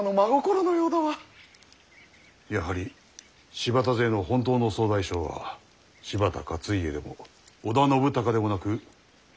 やはり柴田勢の本当の総大将は柴田勝家でも織田信孝でもなくお市様かと。